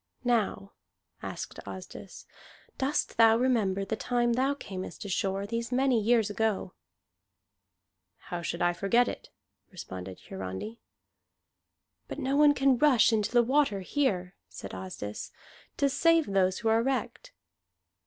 "Now," asked Asdis, "dost thou remember the time thou camest ashore, these many years ago?" "How should I forget it?" responded Hiarandi. "But no one can rush into the water here," said Asdis, "to save those who are wrecked."